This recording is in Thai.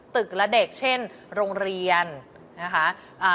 เด็กและเด็กเช่นโรงเรียนนะคะ